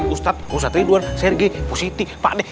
ustadz musa tridwan sergei pusiti pak dek